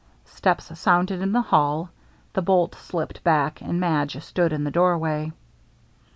Steps sounded in the hall; the bolt slipped back, and Madge stood in the doorway.